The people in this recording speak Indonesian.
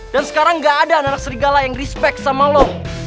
dan sekarang gak ada anak anak serigala yang respect sama lo